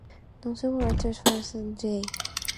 Notable writers for the series included J.